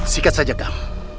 sikat saja tuan